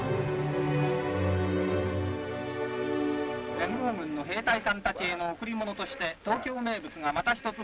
「連合軍の兵隊さんたちへの贈り物として東京名物がまた一つ増えました。